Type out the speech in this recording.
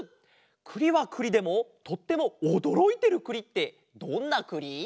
くりはくりでもとってもおどろいてるくりってどんなくり？